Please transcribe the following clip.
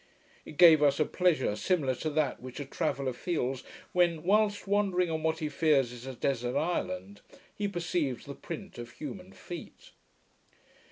It gave us a pleasure similar to that which a traveller feels, when, whilst wandering on what he fears is a desert island, he perceives the print of human feet.